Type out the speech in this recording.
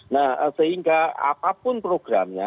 nah sehingga apapun programnya